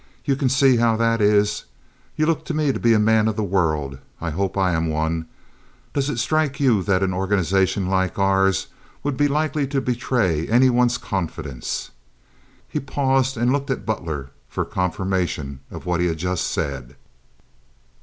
You can see how that is. You look to me to be a man of the world. I hope I am one. Does it strike you that an organization like ours would be likely to betray any one's confidence?" He paused and looked at Butler for confirmation of what he had just said.